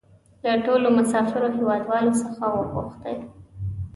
له ټولو مسافرو هېوادوالو څخه وپوښتئ.